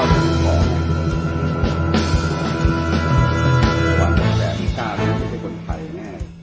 ผมจะตาม